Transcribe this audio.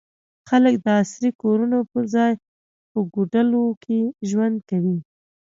خلک د عصري کورونو پر ځای په کوډلو کې ژوند کوي.